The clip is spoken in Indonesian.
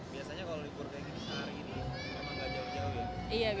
biasanya kalau libur kayak gini sehari ini emang gak jauh jauh ya